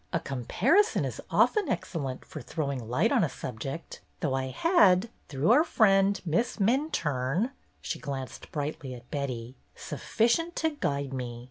A comparison is often excellent for throwing light on a subject, though I had, through our friend. Miss Min 232 BETTY BAIRD'S GOLDEN YEAR turne "— she glanced brightly at Betty, — "sufficient to guide me.